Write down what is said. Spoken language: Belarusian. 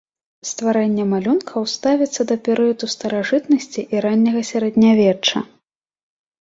Стварэнне малюнкаў ставіцца да перыядаў старажытнасці і ранняга сярэднявечча.